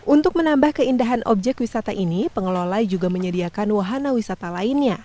untuk menambah keindahan objek wisata ini pengelola juga menyediakan wahana wisata lainnya